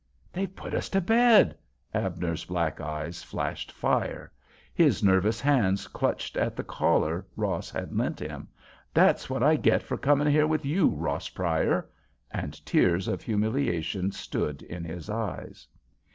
"They've put us to bed!" Abner's black eyes flashed fire. His nervous hands clutched at the collar Ross had lent him. "That's what I get for coming here with you, Ross Pryor!" And tears of humiliation stood in his eyes.